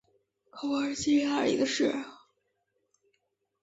格罗塞费恩是德国下萨克森州的一个市镇。